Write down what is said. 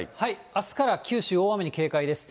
あすから九州、大雨に警戒です。